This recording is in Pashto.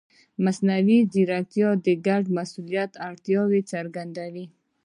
مصنوعي ځیرکتیا د ګډ مسؤلیت اړتیا څرګندوي.